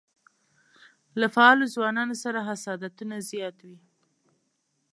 له فعالو ځوانانو سره حسادتونه زیات وي.